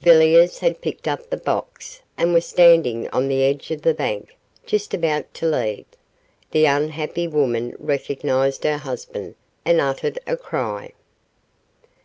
Villiers had picked up the box, and was standing on the edge of the bank, just about to leave. The unhappy woman recognised her husband, and uttered a cry.